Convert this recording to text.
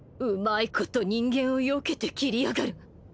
うまいこと人間をよけて斬りやがる